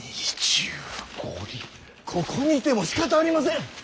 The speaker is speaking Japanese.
ここにいてもしかたありません。